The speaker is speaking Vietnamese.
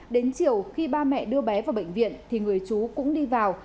đến chiều khi ba mẹ đưa bé vào bệnh viện thì người chú cũng đi vào